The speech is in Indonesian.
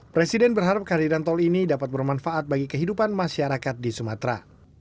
presiden berharap kehadiran tol ini dapat bermanfaat bagi kehidupan masyarakat di sumatera